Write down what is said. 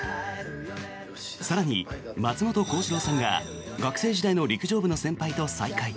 更に、松本幸四郎さんが学生時代の陸上部の先輩と再会。